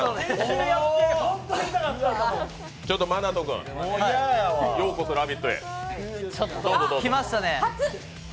ちょっとＭＡＮＡＴＯ君、ようこそ「ラヴィット！」へ、どうぞ、どうぞ。来ましたね。